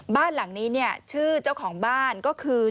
บ้านหลังนี้เนี่ยชื่อเจ้าของบ้านก็คือ